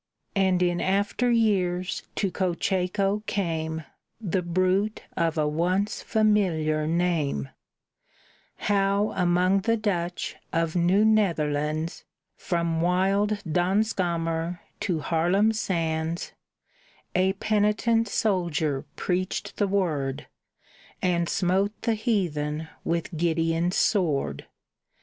And in after years to Cocheco came The bruit of a once familiar name; How among the Dutch of New Netherlands, From wild Danskamer to Haarlem sands, A penitent soldier preached the Word, And smote the heathen with Gideon's sword!